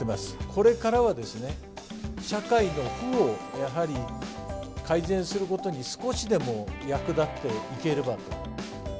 これからはですね、社会の負をやはり改善することに少しでも役立っていければと。